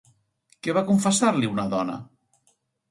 Què va confessar-li una dona?